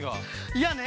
いやね